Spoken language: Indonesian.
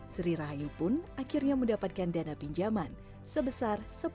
sri rahayu pun akhirnya mendapatkan dana pinjaman sebesar